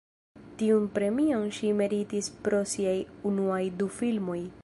Tiun premion ŝi meritis pro siaj unuaj du filmoj.